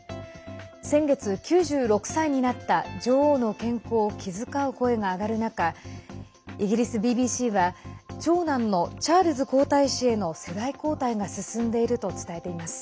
先月、９６歳になった女王の健康を気遣う声が上がる中イギリスＢＢＣは長男のチャールズ皇太子への世代交代が進んでいると伝えています。